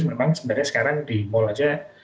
memang sebenarnya sekarang di mall aja